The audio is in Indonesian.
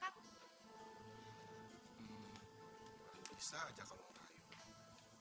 hmm bisa saja kalau kamu sayang